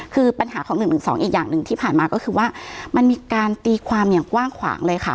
คือปัญหาของ๑๑๒อีกอย่างหนึ่งที่ผ่านมาก็คือว่ามันมีการตีความอย่างกว้างขวางเลยค่ะ